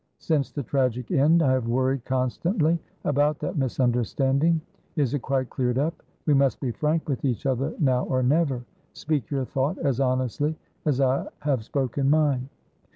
Since the tragic end, I have worried constantly about that misunderstanding. Is it quite cleared up? We must be frank with each other now or never. Speak your thought as honestly as I have spoken mine."